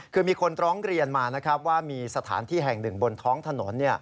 คือมีคนร้องเรียนมานะครับว่ามีสถานที่แห่งหนึ่งบนท้องถนน